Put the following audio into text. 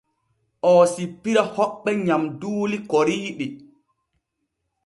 Oo sippira hoɓɓe nyamduuli koriiɗi.